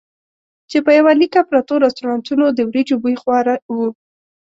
چې په یوه لیکه پرتو رستورانتونو د وریجو بوی خواره وو.